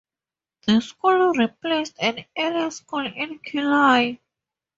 The school replaced an earlier school in Killay.